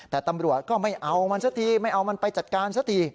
แต่ตำรวจก็ไม่เอามันซะทีไม่เอามันไปจัดการซะที